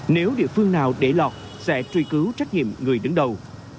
nếu địa phương nào để lọt sẽ truy cứu trách nhiệm người đứng đầu